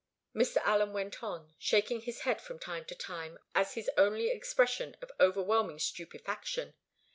Mr. Allen went on, shaking his head from time to time, as his only expression of overwhelming stupefaction.